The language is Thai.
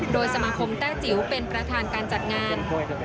โดยสมาคมแต้จิ๋วเป็นประธานการจัดงาน